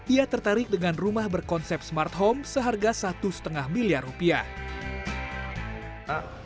ia tertarik dengan rumah berkonsep smart home seharga satu lima miliar rupiah